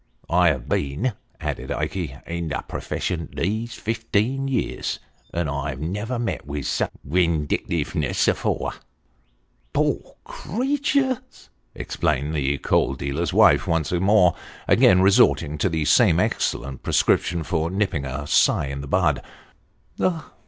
I have been," added Ikey, " in the purfession these fifteen year, and I never met vith such windictiveness afore !"" Poor creeturs !" exclaimed the coal dealer's wife once more : again resorting to the same excellent prescription for nipping a sigh in the bud.